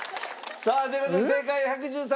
さあという事で正解は１１３匹。